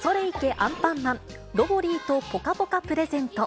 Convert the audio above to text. アンパンマンロボリィとぽかぽかプレゼント。